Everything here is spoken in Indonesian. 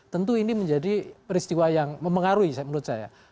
tentu ini menjadi peristiwa yang memengaruhi menurut saya